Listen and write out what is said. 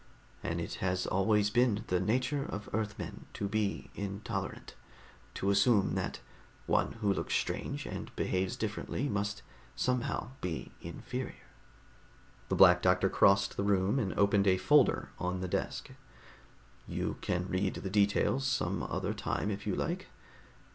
And it has always been the nature of Earthmen to be intolerant, to assume that one who looks strange and behaves differently must somehow be inferior." The Black Doctor crossed the room and opened a folder on the desk. "You can read the details some other time, if you like.